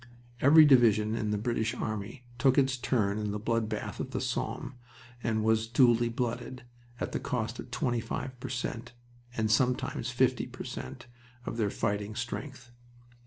Every division in the British army took its turn in the blood bath of the Somme and was duly blooded, at a cost of 25 per cent. and sometimes 50 per cent. of their fighting strength.